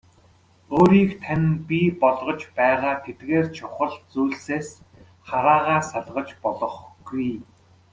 Өөрийг тань бий болгож байгаа тэдгээр чухал зүйлсээс хараагаа салгаж болохгүй.